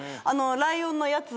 ライオンのやつ。